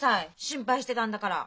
心配してたんだから。